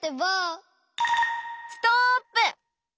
ストップ！